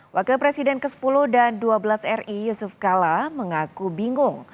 wakil presiden ke sepuluh dan ke dua belas ri yusuf kala mengaku bingung